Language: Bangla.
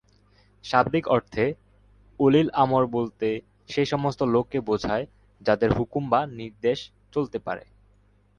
শাব্দিক অর্থে, উলিল-আমর বলতে সে সমস্ত লোককে বোঝায় যাদের হুকুম বা নির্দেশ চলতে পারে।